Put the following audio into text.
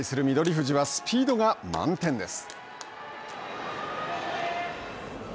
富士はスピードが満点です。